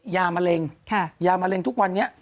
มะเร็งยามะเร็งทุกวันนี้